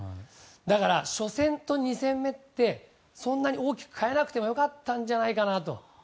だから初戦と２戦目ってそんなに大きく変えなくてもよかったんじゃないかなと。